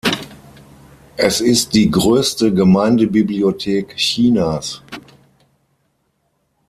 Es ist die größte Gemeindebibliothek Chinas.